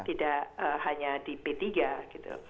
tidak hanya di p tiga gitu